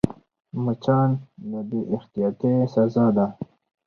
مچان د بې احتیاطۍ سزا ده